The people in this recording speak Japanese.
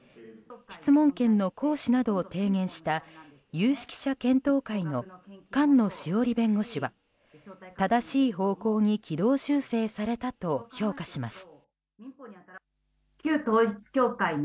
質問権の行使などを提言した有識者検討会の菅野志桜里弁護士は正しい方向に軌道修正されたと評価します。